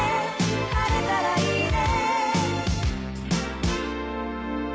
「晴れたらいいね」